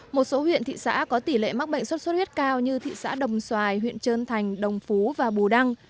một số huyện thị xã có tỷ lệ mắc bệnh sốt xuất huyết cao như thị xã đồng xoài huyện trơn thành đồng phú và bù đăng